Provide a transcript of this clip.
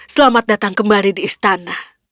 selamat datang kembali di istana